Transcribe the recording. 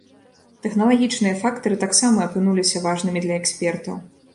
Тэхналагічныя фактары таксама апынуліся важнымі для экспертаў.